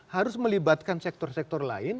harus melibatkan sektor sektor lain